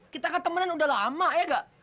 kita ketemenan udah lama ya gak